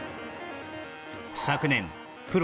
昨年プロ